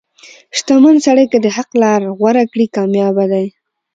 • شتمن سړی که د حق لار غوره کړي، کامیابه دی.